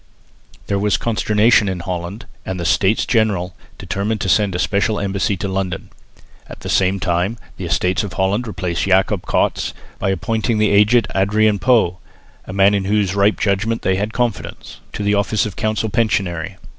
There was consternation in Holland, and the States General determined to send a special embassy to London. At the same time the Estates of Holland replaced Jacob Cats by appointing the aged Adrian Pauw, a man in whose ripe judgment they had confidence, to the office of council pensionary.